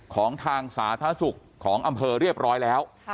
ของทางสาธารณสุขของอำเภอเรียบร้อยแล้ว